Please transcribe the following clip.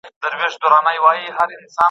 حقیقت باید تل خلګو ته روښانه سي.